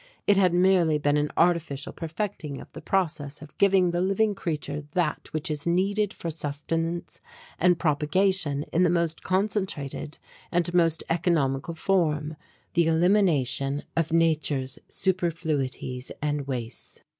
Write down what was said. It had merely been an artificial perfecting of the process of giving the living creature that which is needed for sustenance and propagation in the most concentrated and most economical form, the elimination of Nature's superfluities and wastes.